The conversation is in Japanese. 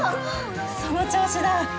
その調子だ。